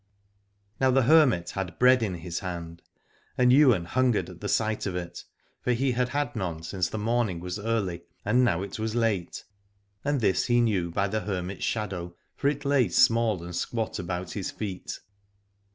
Now the hermit had bread in his hand, and Ywain hungered at the sight of it, for he had had none since the morning was early, and it was now late, and this he knew by the hermit's shadow, for it lay small and squat about his feet.